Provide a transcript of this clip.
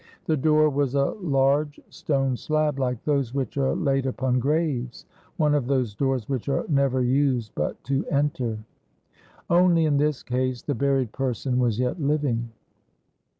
The door was a large stone slab, like those which are laid upon graves, one of those doors which are never used but to enter: only in this case the buried person was yet living.